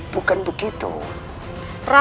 bukan berhutang denganmu